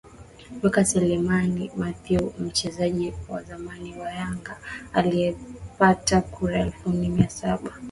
wake Selemani Mathew mchezaji wa zamani wa Yanga aliyepata kura elfu nne mia saba